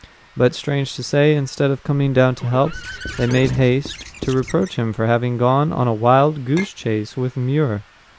But strange to say, instead of coming down to help, they made haste to reproach him for having gone on a "wild goose chase" with Muir.